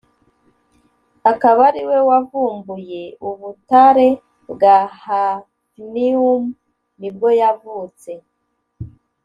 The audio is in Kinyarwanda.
akaba ariwe wavumbuye ubutare bwa Hafnium nibwo yavutse